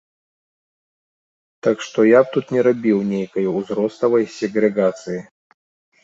Так што я б тут не рабіў нейкай узроставай сегрэгацыі.